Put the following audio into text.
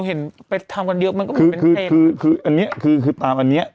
คุณเห็นไปทำกันเยอะมันก็เหมือนเป็นเพลง